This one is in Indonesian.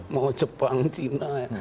mau jepang cina